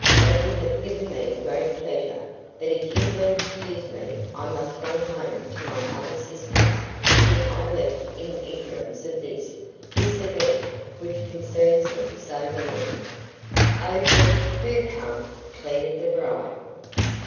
"It would have given me great pleasure, but if you will excuse me, I must run home to my other sisters, whom I left in ignorance of this this event which concerns them so nearly." "Oh, Deb, DO come!" pleaded the bride.